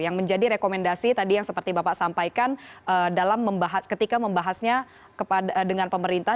yang menjadi rekomendasi tadi yang seperti bapak sampaikan ketika membahasnya dengan pemerintah